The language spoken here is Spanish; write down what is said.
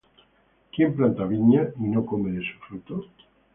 ¿quién planta viña, y no come de su fruto?